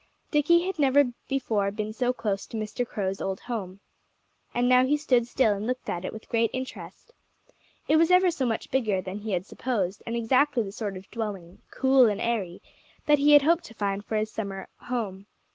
Dickie had never before been so close to Mr. Crow's old home. And now he stood still and looked at it with great interest. It was ever so much bigger than he had supposed, and exactly the sort of dwelling cool and airy that he had hoped to find for his summer home.